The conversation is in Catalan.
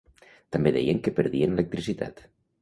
També deien que perdien electricitat.